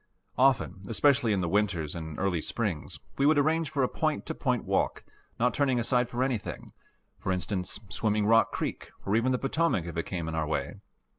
Often, especially in the winters and early springs, we would arrange for a point to point walk, not turning aside for anything for instance, swimming Rock Creek or even the Potomac if it came in our way.